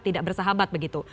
tidak bersahabat begitu